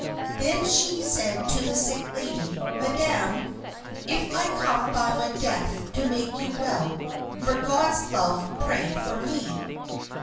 Then she said to the sick lady, "Madam, if I come by my death to make you well, for God's love pray for me."